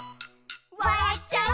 「わらっちゃう」